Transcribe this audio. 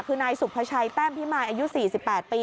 คือนายสุภาชัยแต้มพิมายอายุ๔๘ปี